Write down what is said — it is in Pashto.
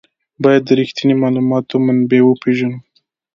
باید د رښتیني معلوماتو منبع وپېژنو.